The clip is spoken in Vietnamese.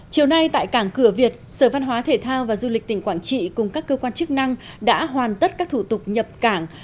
chiều nay tại cảng cửa việt sở văn hóa thể thao và du lịch tỉnh quảng trị cùng các cơ quan chức năng đã hoàn tất các thủ tục nhập cảng